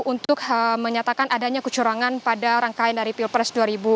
untuk menyatakan adanya kecurangan pada rangkaian dari pilpres dua ribu dua puluh